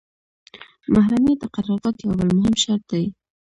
محرمیت د قرارداد یو بل مهم شرط دی.